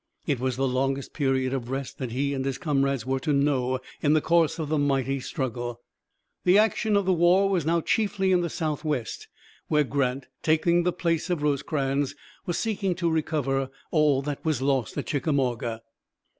It was the longest period of rest that he and his comrades were to know in the course of the mighty struggle. The action of the war was now chiefly in the Southwest, where Grant, taking the place of Rosecrans, was seeking to recover all that was lost at Chickamauga.